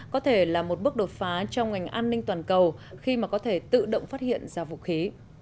có thể là một bước đột phá trong ngành an ninh toàn cầu khi mà có thể tự động phát hiện ra vũ khí